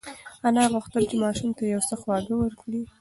انا غوښتل چې ماشوم ته یو څه خواږه ورکړي.